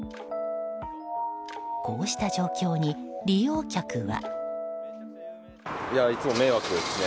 こうした状況に利用客は。